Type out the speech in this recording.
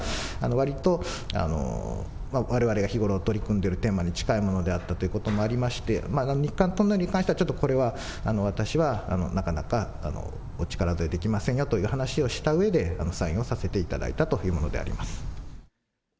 わりとわれわれが日頃取り組んでるテーマに近いものであったということもありまして、日韓トンネルに関しては、ちょっとこれは私はなかなかお力添えできませんがという話をしたうえで、あのサインをさせていただいたというものであります。